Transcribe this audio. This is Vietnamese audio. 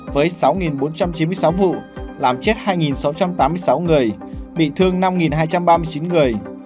với sáu bốn trăm chín mươi sáu vụ làm chết hai sáu trăm tám mươi sáu người bị thương năm hai trăm ba mươi chín người